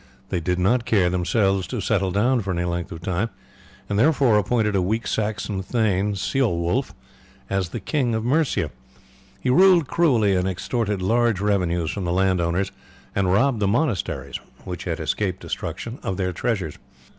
They did not care, themselves, to settle down for any length of time, and therefore appointed a weak Saxon thane, Ceolwulf, as the King of Mercia. He ruled cruelly and extorted large revenues from the land owners, and robbed the monasteries, which had escaped destruction, of their treasures.